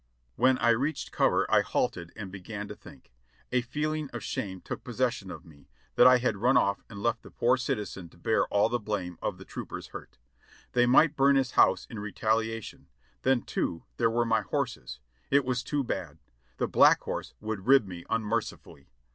When I reached cover I halted and began to think. A feeling of shame took possession of me, that I had run off and left the poor citi zen to bear all the blame of the trooper's hurt. They might burn his house in retaliation ; then, too, there were my horses. It was too bad ! The Black Horse would rig me unmercifully.